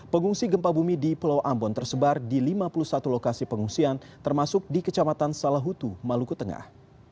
pengungsi gempa bumi di pulau ambon tersebar di lima puluh satu lokasi pengungsian termasuk di kecamatan salahutu maluku tengah